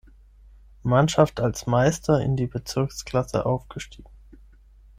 Mannschaft als Meister in die Bezirksklasse aufgestiegen.